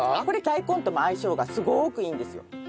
これ大根とも相性がすごくいいんですよ。